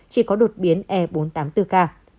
chỉ có đột biến e bốn trăm tám mươi bốn k